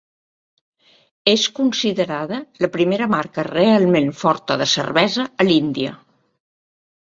És considerada la primera marca realment forta de cervesa a l'Índia.